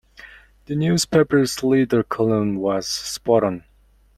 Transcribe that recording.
The newspaper’s leader column was spot on.